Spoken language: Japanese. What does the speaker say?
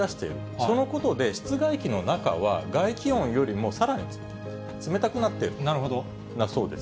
そのことで、室外機の中は外気温よりもさらに冷たくなっているんだそうです。